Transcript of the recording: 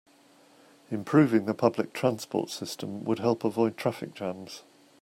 Improving the public transport system would help avoid traffic jams.